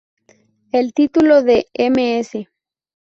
El título de "Ms.